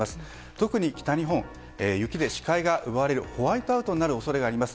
特に北日本は雪で視界が奪われるホワイトアウトになる恐れがあります。